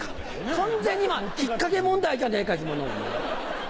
完全に引っ掛け問題じゃねえか今の。